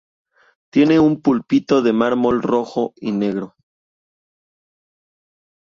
Tiene un púlpito de mármol rojo y negro.